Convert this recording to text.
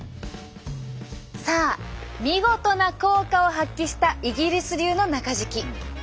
さあ見事な効果を発揮したイギリス流の中敷き。